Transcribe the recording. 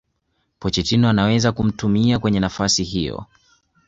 Pochettino anaweza kumtumia kwenye nafasi hiyo